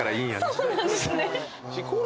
そうなんですね。